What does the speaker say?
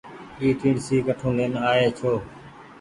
اي ٽيڻسي ڪٺون لين آئي ڇو۔